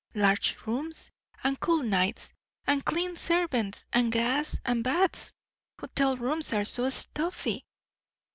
Large rooms, and cool nights, and clean servants, and gas, and baths hotel rooms are so stuffy."